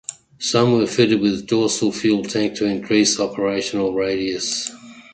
Some were fitted with a dorsal fuel tank to increase operational radius.